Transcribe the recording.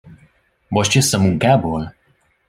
Most jössz a munkából?